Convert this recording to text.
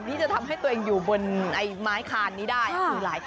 ที่จะทำให้ตัวเองอยู่บนไอ้ไม้คานนี้ได้คือหลาย